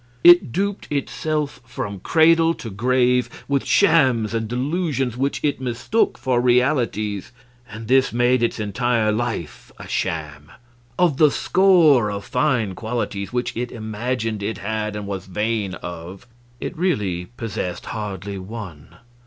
It duped itself from cradle to grave with shams and delusions which it mistook for realities, and this made its entire life a sham. Of the score of fine qualities which it imagined it had and was vain of, it really possessed hardly one.